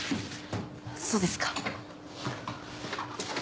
そうですか。